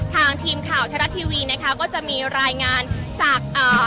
ทางทีมข่าวไทยรัฐทีวีนะคะก็จะมีรายงานจากอ่า